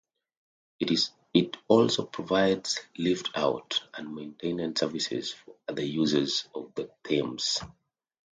It also provides lift-out and maintenance services for other users of the Thames.